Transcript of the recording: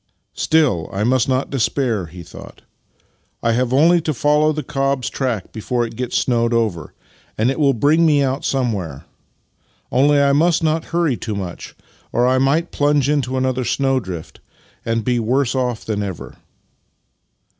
" Still, I must not despair," he thought. " I have only to follow the cob's track before it gets snowed over, and it will bring me out somewhere. Only, I must not hurry too much, or I might plunge into another snowdrift and be worse off than ever."